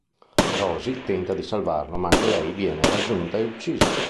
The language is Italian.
Rosie tenta di salvarlo, ma anche lei viene raggiunta e uccisa.